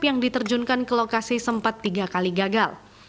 yang diterjunkan ke lokasi sempat tiga kali gagal